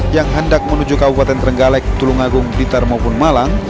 yang hendak menuju kabupaten trenggalek tulungagung blitar maupun malang